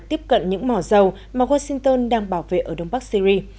tiếp cận những mỏ dầu mà washington đang bảo vệ ở đông bắc syri